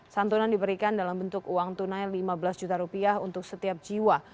santunan diberikan dalam bentuk uang tunai lima belas juta rupiah untuk setiap jiwa